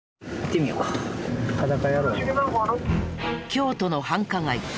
京都の繁華街